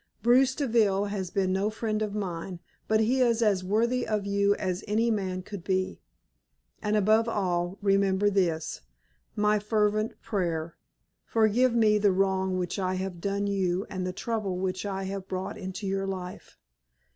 Bruce Deville has been no friend of mine, but he is as worthy of you as any man could be. And above all, remember this, my fervent prayer: Forgive me the wrong which I have done you and the trouble which I have brought into your life.